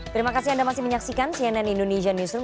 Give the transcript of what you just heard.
terima kasih anda masih menyaksikan cnn indonesia newsroom